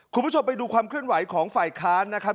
คุณผู้ชมไปดูความเคลื่อนไหวของฝ่ายค้านนะครับ